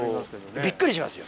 びっくりしますよ！